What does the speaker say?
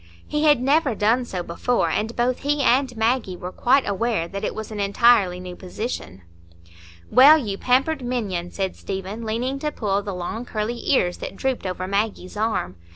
He had never done so before, and both he and Maggie were quite aware that it was an entirely new position. "Well, you pampered minion!" said Stephen, leaning to pull the long curly ears that drooped over Maggie's arm.